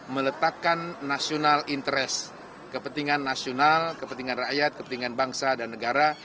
meletakkan national interest kepentingan nasional kepentingan rakyat kepentingan bangsa dan negara